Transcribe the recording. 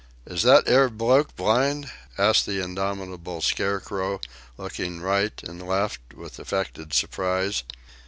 "Is that 'ere bloke blind?" asked the indomitable scarecrow, looking right and left with affected surprise.